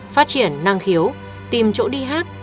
phát triển năng khiếu tìm chỗ đi hát